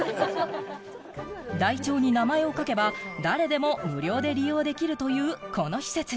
台帳に名前を書けば、誰でも無料で利用できるというこの施設。